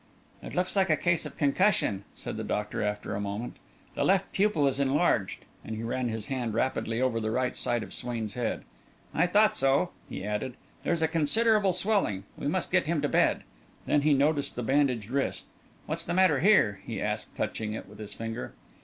"It looks like a case of concussion," said the doctor, after a moment. "The left pupil is enlarged," and he ran his hand rapidly over the right side of Swain's head. "I thought so," he added. "There's a considerable swelling. We must get him to bed." Then he noticed the bandaged wrist. "What's the matter here?" he asked, touching it with his finger.